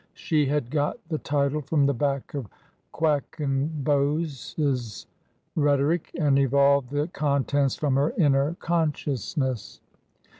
She had got the title from the back of Quackenbos's Rhet oric/' and evolved the contents from her inner conscious ness.